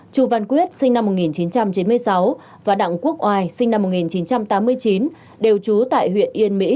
chu văn quyết sinh năm một nghìn chín trăm chín mươi sáu và đặng quốc oai sinh năm một nghìn chín trăm tám mươi chín đều trú tại huyện yên mỹ